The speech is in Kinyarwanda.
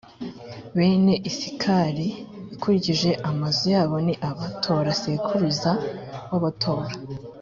bene isakari, ukurikije amazu yabo ni aba: tola sekuruza w’abatola.